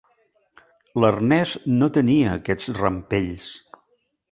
L'Ernest no tenia aquests rampells.